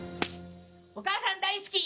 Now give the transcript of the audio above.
お母さん大好き！